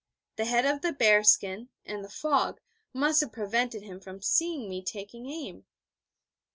The head of the bear skin, and the fog, must have prevented him from seeing me taking aim.